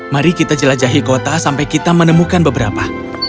mari kita jelajahi kota sampai kita menemukan beberapa